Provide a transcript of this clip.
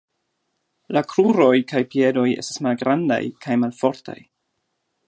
La kruroj kaj piedoj estas malgrandaj kaj malfortaj.